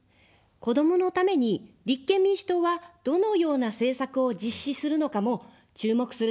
子どものために立憲民主党はどのような政策を実施するのかも注目する点です。